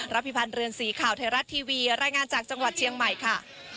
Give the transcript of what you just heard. พิพันธ์เรือนสีข่าวไทยรัฐทีวีรายงานจากจังหวัดเชียงใหม่ค่ะ